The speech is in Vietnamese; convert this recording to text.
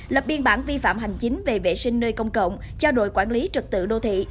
lập biên bản vi phạm hành chính về vệ sinh nơi công cộng cho đội quản lý trật tự đô thị